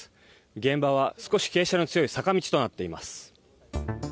現場は少し傾斜の強い坂道となっています。